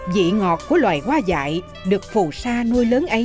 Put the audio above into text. vị ngọt của loài hoa dạy được phù sa nuôi lớn ấy